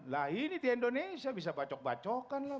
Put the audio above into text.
lah ini di indonesia bisa bacok bacokan lah